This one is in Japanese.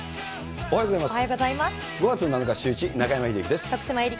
おはようございます。